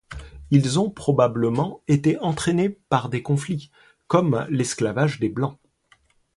Ils ont probablement été entraînés par des conflits, comme l'esclavage des Blancs.